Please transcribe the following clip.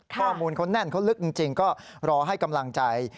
ข้อมูลเขาแน่นเขาลึกจริงก็รอให้กำลังใจ